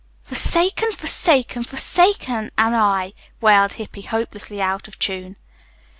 "'Forsaken, forsaken, forsaken am I,'" wailed Hippy, hopelessly out of tune.